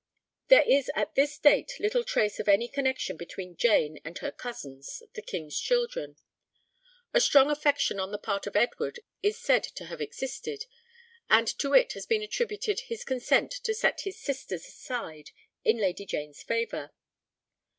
There is at this date little trace of any connection between Jane and her cousins, the King's children. A strong affection on the part of Edward is said to have existed, and to it has been attributed his consent to set his sisters aside in Lady Jane's favour.